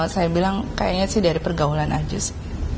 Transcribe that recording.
saya bilang kayaknya sih dari pergaulan aja sih